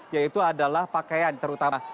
yaitu adalah pakaian terutama